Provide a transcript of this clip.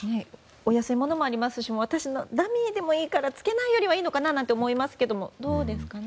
お安いものもありますしダミーでもいいからつけないよりはいいのかなと思いますけどどうですかね。